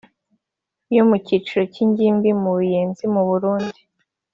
yo mu cyiciro cy’ingimbi mu Buyenzi mu Burundi